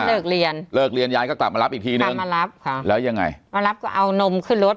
เลิกเรียนเลิกเรียนยายก็กลับมารับอีกทีนึงมารับค่ะแล้วยังไงมารับก็เอานมขึ้นรถ